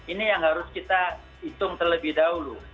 ini yang harus kita hitung terlebih dahulu